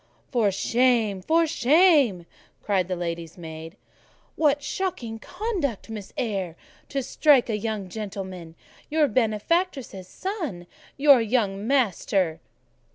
"For shame! for shame!" cried the lady's maid. "What shocking conduct, Miss Eyre, to strike a young gentleman, your benefactress's son! Your young master."